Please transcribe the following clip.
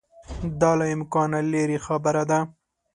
دا له امکانه لیري خبره ده.